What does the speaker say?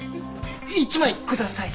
い一枚ください。